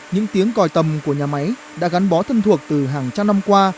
những tiếng còi tầm của nhà máy đã gắn bó thân thuộc từ hàng trăm năm qua